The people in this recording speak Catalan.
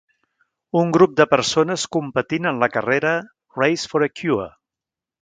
Un grup de persones competint en la carrera Race for a Cure.